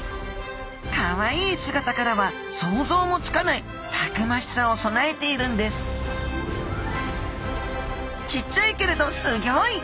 かわいい姿からは想像もつかないたくましさを備えているんですちっちゃいけれどすギョい！